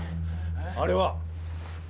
あれは？